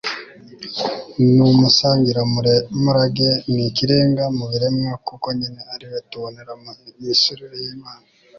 n'umusangiramurage ni ikirenga mu biremwa kuko nyine ariwe tuboneramo imisusire y'imana